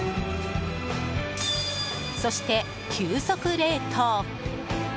そして、急速冷凍。